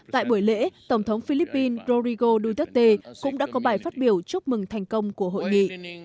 tại buổi lễ tổng thống philippines rodrigo duterte cũng đã có bài phát biểu chúc mừng thành công của hội nghị